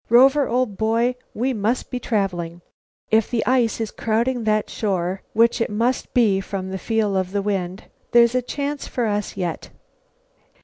"Rover, old boy, we must be traveling. If the ice is crowding that shore, which it must be from the feel of the wind, there's a chance for us yet."